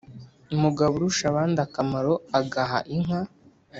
mugaburushabandakamaro agaha inka